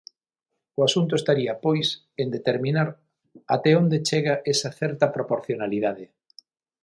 O asunto estaría, pois, en determinar até onde chega esa "certa proporcionalidade".